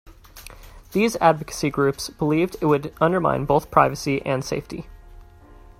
These advocacy groups believed it would undermine both privacy and safety.